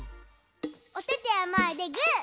おててをまえでグー。